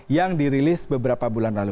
yang dirilis beberapa bulan lalu